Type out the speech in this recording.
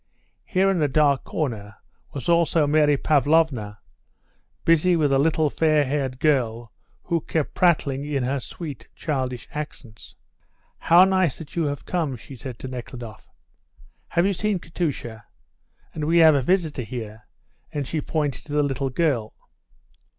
Here in a dark corner was also Mary Pavlovna, busy with a little, fair haired girl, who kept prattling in her sweet, childish accents. "How nice that you have come," she said to Nekhludoff. "Have you seen Katusha? And we have a visitor here," and she pointed to the little girl.